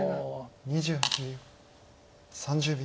３０秒。